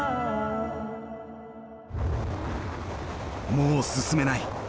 もう進めない。